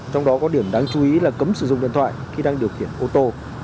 trong đó có điểm đáng chú ý là cấm sử dụng điện thoại khi đang điều khiển ô tô